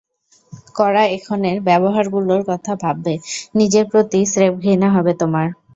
করা এখনের ব্যবহারগুলোর কথা ভাববে,, নিজের প্রতি স্রেফ ঘৃণা হবে তোমার।